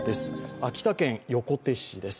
秋田県横手市です。